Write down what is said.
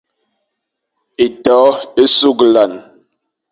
Étô é sughlana.